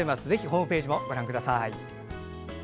ホームページもご覧ください。